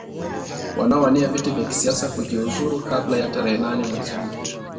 wanaowania viti vya kisiasa kujiunzulu kabla ya tarehe nane mwei huu